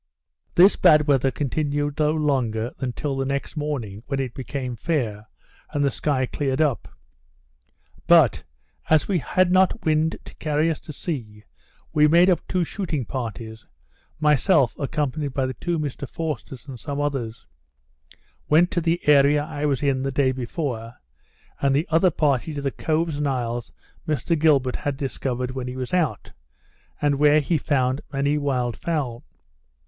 This bad weather continued no longer than till the next morning, when it became fair, and the sky cleared up. But, as we had not wind to carry us to sea, we made up two shooting parties; myself, accompanied by the two Mr. Forsters and some others, went to the area I was in the day before; and the other party to the coves and isles Mr Gilbert had discovered when he was out, and where he found many wild fowl.